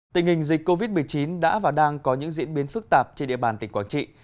tình hình dịch covid một mươi chín đã và đang có những diễn biến phức tạp trên địa bàn tỉnh quảng trị